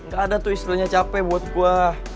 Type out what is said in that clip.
gak ada tuh istilahnya capek buat gue